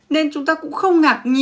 nên chúng ta cũng không ngạc nhiên